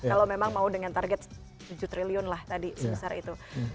kalau memang mau dengan target tujuh triliun lah tadi sebesar itu